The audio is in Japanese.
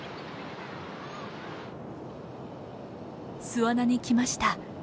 巣穴に来ました。